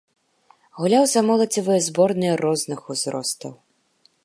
Гуляў за моладзевыя зборныя розных узростаў.